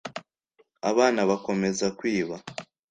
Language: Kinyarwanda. abana Bakomeza kwiba